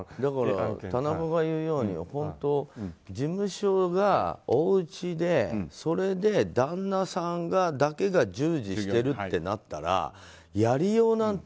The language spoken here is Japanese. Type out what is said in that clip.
田中が言うように事務所がおうちでそれで、旦那さんだけが従事してるってなったらやりようなんて